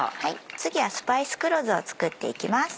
次はスパイス黒酢を作っていきます。